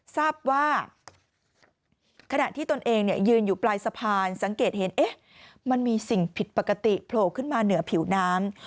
ทราบว่าขณะที่ตนเองยืนอยู่ปลายสะพานสังเกตเห็นมันมีสิ่งผิดปกติโผล่ขึ้นมาเหนือผิวน้ำ